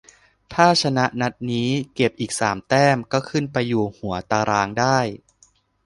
ถ้าชนะนัดนี้ เก็บอีกสามแต้ม ก็ขึ้นไปอยู่หัวตารางได้